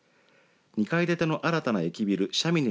２階建ての新たな駅ビルシャミネ